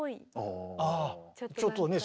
ちょっとね